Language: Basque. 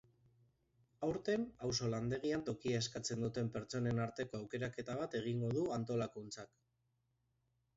Aurten auzolandegian tokia eskatzen duten pertsonen arteko aukeraketa bat egingo du antolakuntzak.